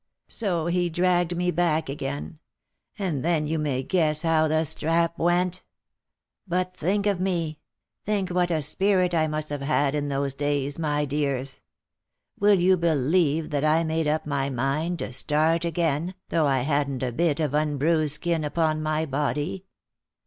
So he dragged me back again — and then you may guess how the strap went ! But think of me ! think what a spirit I must have had in those days, my dears — will you believe that I made up my mind to start again, though I hadn't a bit of unbruised skin upon my body?